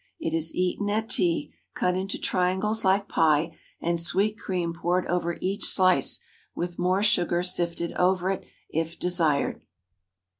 It is eaten at tea, cut into triangles like pie, and sweet cream poured over each slice, with more sugar sifted over it, if desired.